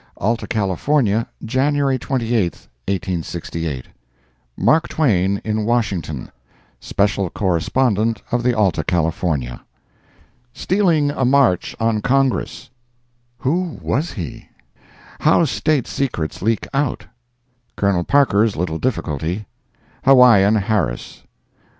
Alta California, January 28, 1868 MARK TWAIN IN WASHINGTON [SPECIAL CORRESPONDENT OF THE ALTA CALIFORNIA.] Stealing a March on Congress—Who Was He?—How State Secrets Leak Out—Colonel Parker's Little Difficulty—Hawaiian Harris.